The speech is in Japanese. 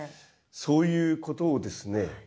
そういうことをですね